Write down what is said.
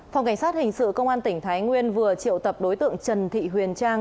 phòng cảnh sát hình sự công an tỉnh thái nguyên vừa triệu tập đối tượng trần thị huyền trang